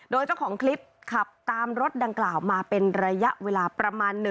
โดยเจ้าของคลิปขับตามรถดังกล่าวมาเป็นระยะเวลาประมาณ